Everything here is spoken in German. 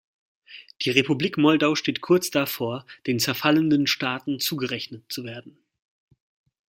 Die Republik Moldau steht kurz davor, den zerfallenden Staaten zugerechnet zu werden.